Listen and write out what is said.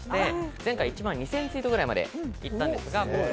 前回は１万２０００ツイートぐらいまで行きました。